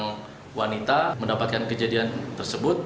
setelah seorang wanita mendapatkan kejadian tersebut